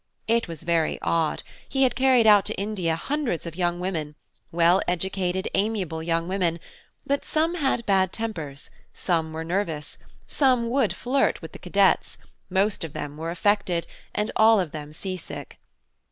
It was very odd, he had carried out to India hundreds of young women, well educated, amiable young women; but some had bad tempers, some were nervous, some would flirt with the cadets, most of them were affected, and all of them sea sick.